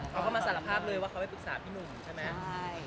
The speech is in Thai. เขาก็มาสารภาพเลยว่าเขาไปปรึกษาพี่หนุ่มใช่ไหม